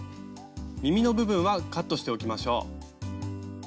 みみの部分はカットしておきましょう。